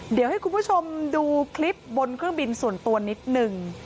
เดี๋ยวให้คุณผู้ชมดูคลิปบนเครื่องบินส่วนตัวนิดนึง